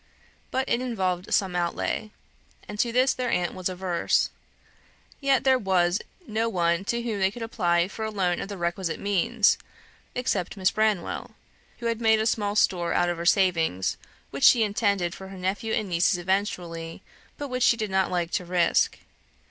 But it involved some outlay; and to this their aunt was averse. Yet there was no one to whom they could apply for a loan of the requisite means, except Miss Branwell, who had made a small store out of her savings, which she intended for her nephew and nieces eventually, but which she did not like to risk.